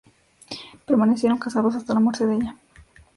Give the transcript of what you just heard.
Permanecieron casados hasta la muerte de ella.